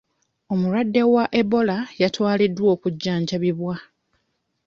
Omulwadde wa Ebola yatwaliddwa okujjanjabibwa.